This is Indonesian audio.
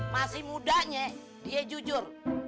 masih mudanya dia jujur